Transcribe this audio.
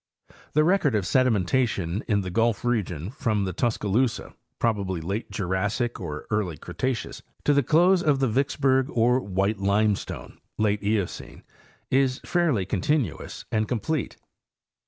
The record of sedimentation in the Gulf region from the Tus caloosa (probably late Jurassic or early Cretaceous) to the close of the Vicksburg or White limestone (late Eocene) is fairly con tinuous and complete.